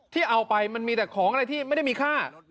ที่เอาไปมันมีแต่ของอะไรที่ไม่ได้มีค่า